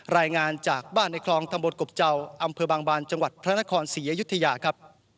รายงานจากบ้านในคลองตำบลกบเจ้าอำเภอบางบานจังหวัดพระนครศรีอยุธยาครับ